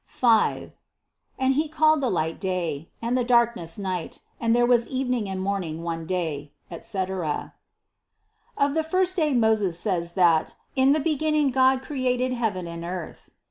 5. "And he called the light day, and the darkness night ;and there was evening and morning one day," etc. Of the first day Moses says that "In the beginning God created heaven and earth."